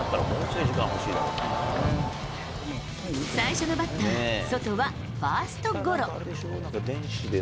最初のバッター、ソトはファーストゴロ。